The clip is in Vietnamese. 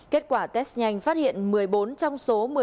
kết quả test nhanh phát hiện một mươi bốn trong số